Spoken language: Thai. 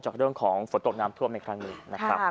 จากเรื่องของฝนตกน้ำท่วมในครั้งนี้นะครับ